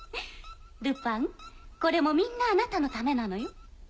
ルパンこれもみんなあなたのためなのよ